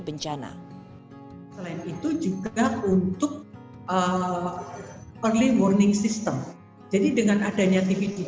dan juga memiliki kemampuan memperbaiki penyelesaian dan penyelesaian video